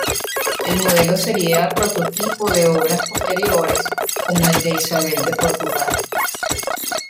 El modelo sería prototipo de obras posteriores como el de Isabel de Portugal.